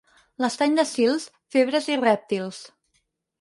L'estany de Sils, febres i rèptils.